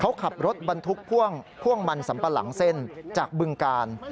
เขาขับรถบรรทุกพ่วงมันสัมปะหลังเส้นจากบึงกาล